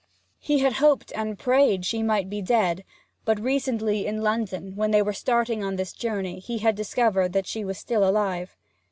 He had hoped and prayed she might be dead; but recently in London, when they were starting on this journey, he had discovered that she was still alive.